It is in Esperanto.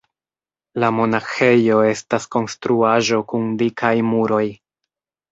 La monaĥejo estas konstruaĵo kun dikaj muroj.